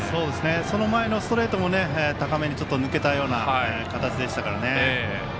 その前のストレートも高めにちょっと抜けたような形でしたからね。